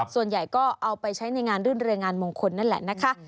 ส่วนใหญ่ก็เอาไปใช้ในงานรื่นเรืองานมงคลนั่นแหละนะคะ